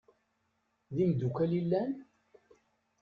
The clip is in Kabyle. D imdukal i llan?